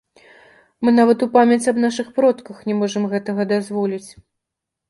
Мы нават у памяць аб нашых продках не можам гэтага дазволіць.